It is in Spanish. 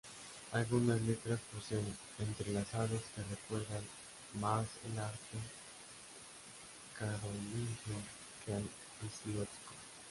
Algunas letras poseen entrelazados que recuerdan más al arte carolingio que al visigótico.